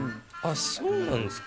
そうなんですか。